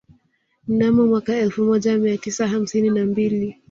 Mnamo mwaka elfu moja mia tisa hamsini na mbili